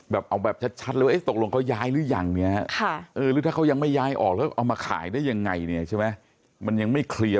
แบบเอาแบบชัดเลยว่าตกลงเขาย้ายหรือยังเนี้ย